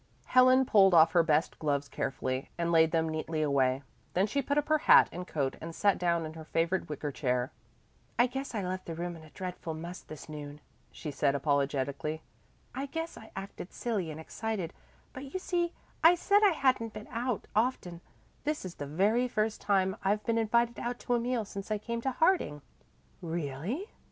Helen pulled off her best gloves carefully, and laid them neatly away, then she put up her hat and coat and sat down in her favorite wicker chair. "I guess I left the room in a dreadful muss this noon," she said apologetically. "I guess I acted silly and excited, but you see I said I hadn't been out often this is the very first time I've been invited out to a meal since I came to Harding." "Really?"